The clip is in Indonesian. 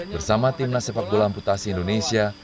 bersama timnas sepak bola amputasi indonesia